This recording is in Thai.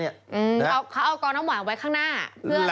เอากองน้ำหวานไว้ข้างหน้า